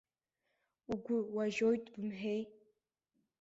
Угәы уажьоит бымҳәеи?